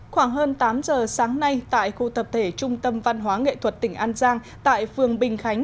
khoảng hơn tám giờ sáng nay tại khu tập thể trung tâm văn hóa nghệ thuật tỉnh an giang tại phường bình khánh